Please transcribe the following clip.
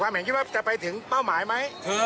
เห็นคิดว่าจะไปถึงเป้าหมายไหม